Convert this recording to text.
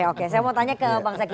oke saya mau tanya ke bang zaky